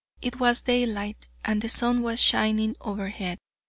It was daylight, and the sun was shining overhead.